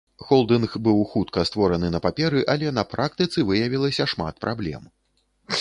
Холдынг быў хутка створаны на паперы, але на практыцы выявілася шмат праблем.